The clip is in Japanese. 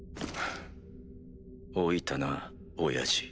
老いたな親父。